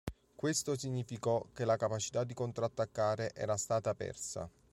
Questo significò che la capacità di contrattaccare era stata persa.